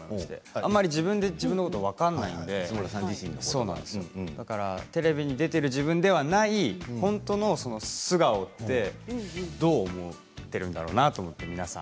あまり自分で自分のことって分からないのでテレビに出ている自分ではない本当の素顔ってどう思っているんだろうなと思って、皆さん。